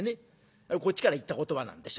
こっちからいった言葉なんでしょうね。